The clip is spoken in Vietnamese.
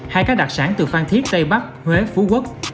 hay các đặc sản từ phan thiết tây bắc huế phú quốc